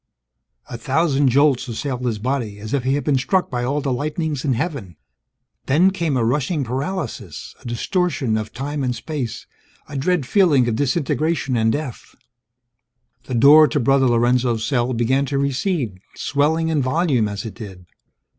_ A thousand jolts assailed his body, as if he had been struck by all the lightnings in heaven. Then, came a rushing paralysis, a distortion of time and space, a dread feeling of disintegration and death ... The door to Brother Lorenzo's cell began to recede, swelling in volume as it did.